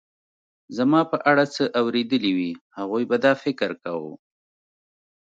زما په اړه څه اورېدلي وي، هغوی به دا فکر کاوه.